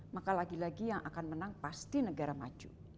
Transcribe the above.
maka lagi lagi yang akan menang pasti negara maju